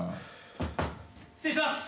・・失礼します。